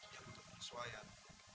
yang untuk pengesuaian